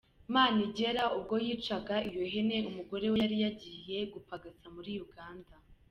Manigera ubwo yicaga iyo hene, umugore we yari yagiye gupagasa muri Uganda.